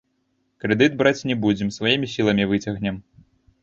Крэдыт браць не будзем, сваімі сіламі выцягнем.